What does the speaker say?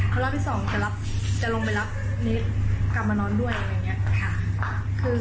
เขาเล่าพี่สองจะลงไปรับเนสกลับมานอนด้วยอย่างนี้